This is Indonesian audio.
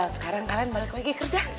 sekarang kalian balik lagi kerja